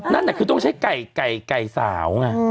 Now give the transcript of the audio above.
นั่นน่ะคือต้องใช้ไก่ไก่สาวไง